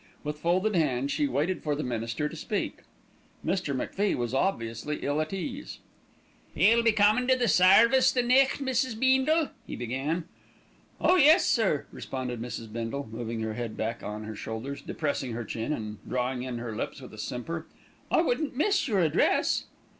With folded hands she waited for the minister to speak. Mr. MacFie was obviously ill at ease. "Ye'll be comin' to the sairvice, the nicht, Mrs. Beendle?" he began. "Oh, yes, sir," responded Mrs. Bindle, moving her head back on her shoulders, depressing her chin and drawing in her lips with a simper. "I wouldn't miss your address."